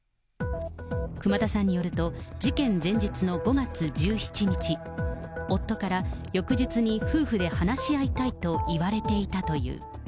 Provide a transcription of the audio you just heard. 熊田さんによると、事件前日の５月１７日、夫から翌日に夫婦で話し合いたいと言われていたという。